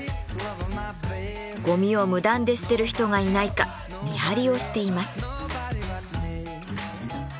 ゴミを無断で捨てる人がいないか見張りをしています。